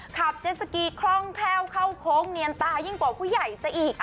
เจสสกีคล่องแคล่วเข้าโค้งเนียนตายิ่งกว่าผู้ใหญ่ซะอีก